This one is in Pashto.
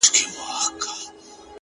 • د هغه ږغ زما د ساه خاوند دی،